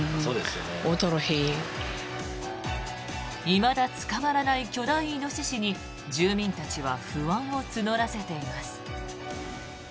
いまだ捕まらない巨大イノシシに住民たちは不安を募らせています。